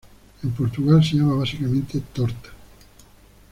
En Portugal se llama básicamente "torta".